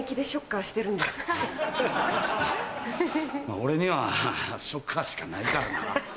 俺にはショッカーしかないからな。